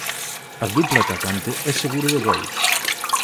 A dupla atacante é seguro de gol.